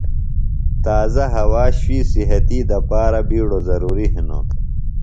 تازہ ہوا شُوئی صِحتی دپارہ بِیڈوۡ ضروری ہِنوۡ۔